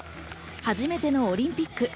初めてのオリンピック。